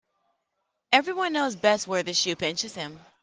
Every one knows best where the shoe pinches him.